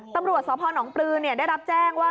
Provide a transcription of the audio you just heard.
ตำรวจสผ้านองค์ปลื้นได้รับแจ้งว่า